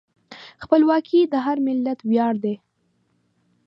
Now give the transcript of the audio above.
خپلواکي د هر ملت ویاړ دی.